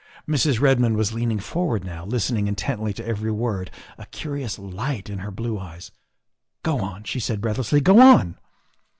'' Mrs. Redmond was leaning forward now, listening intently to every word, a curious light in her blue eyes. '' Go on, '' she said breathlessly, " go on.